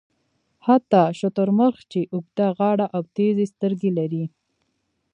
حتی شترمرغ چې اوږده غاړه او تېزې سترګې لري.